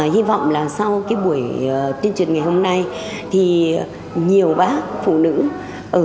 hi vọng là sau buổi tuyên truyền ngày hôm nay nhiều bác phụ nữ ở